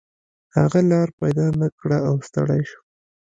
هغه لاره پیدا نه کړه او ستړی شو.